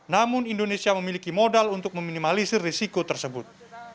namun indonesia memiliki modal untuk meminimalisir risiko tersebut